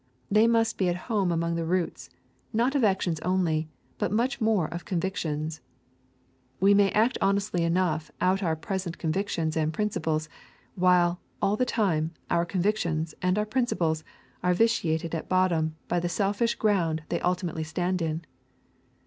They must be at home among the roots, not of actions only, but much more of convictions. We may act honestly enough out of our present convictions and principles, while, all the time, our convictions and our principles are vitiated at bottom by the selfish ground they ultimately stand in.